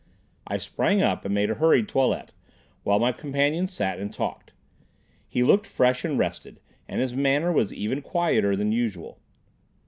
I sprang up and made a hurried toilet, while my companion sat and talked. He looked fresh and rested, and his manner was even quieter than usual.